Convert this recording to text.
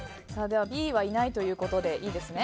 ではＢはいないということでいいんですね。